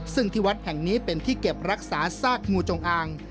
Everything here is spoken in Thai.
ซึ่งที่วัดแห่งนี้เป็นที่เก็บรักษาซากงูจงอาง